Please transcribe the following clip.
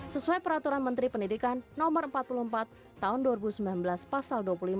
sesuai peraturan menteri pendidikan no empat puluh empat tahun dua ribu sembilan belas pasal dua puluh lima